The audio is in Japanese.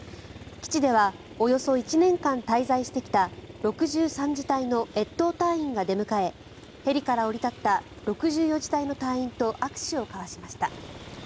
基地ではおよそ１年間滞在してきた６３次隊の越冬隊員が出迎えヘリから降り立った６４次隊の隊員と握手を交わしました。